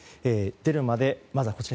出るまで、まずはこちら。